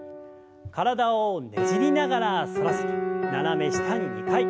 体をねじりながら反らせて斜め下に２回。